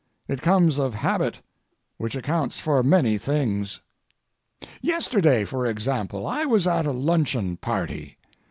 It comes of habit, which accounts for many things. Yesterday, for example, I was at a luncheon party.